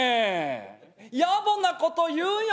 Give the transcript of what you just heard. やぼなこと言うよ